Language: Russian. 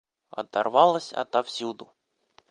Оторвалась отовсюду!